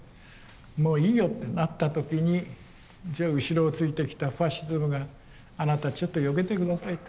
もういいよってなった時にじゃあ後ろをついてきたファシズムがあなたちょっとよけて下さいと。